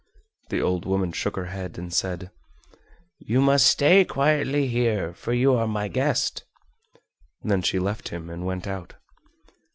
The old woman shook her head and said: "You must stay quietly here, for you are my guest." Then she left him and went out.